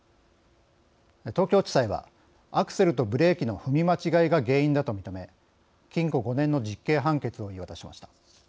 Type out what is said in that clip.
東京地裁はアクセルとブレーキの踏み間違いが原因だと認め禁錮５年の実刑判決を言い渡しました。